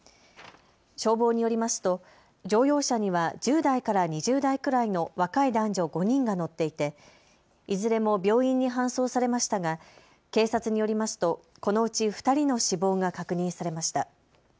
消防によりますと乗用車には１０代から２０代くらいの若い男女５人が乗っていていずれも病院に搬送されましたが警察によりますとこのうち２人の死亡が確認されました。